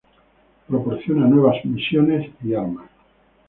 Proporciona nuevas misiones y armas.